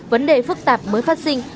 vấn đề phức tạp mới phát sinh